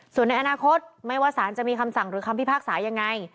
ส่วนในอนาคตไม่ว่าสารจะมีคำสั่งหรือคำพิพากษายังไง